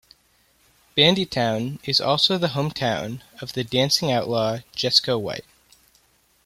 Bandytown is also the hometown of the "Dancing Outlaw" Jesco White.